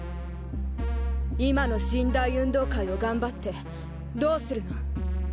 今の神・大運動会を頑張ってどうするの？